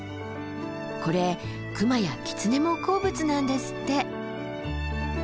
これクマやキツネも好物なんですって。